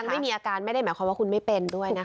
ไม่มีอาการไม่ได้หมายความว่าคุณไม่เป็นด้วยนะคะ